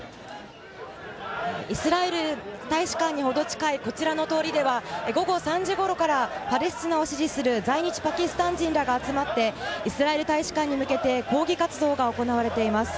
イスラエル大使館にほど近いこちらでは午後３時ごろからパレスチナを支持する在日パキスタン人らが集まってイスラエル大使館に向けて抗議活動が行われています。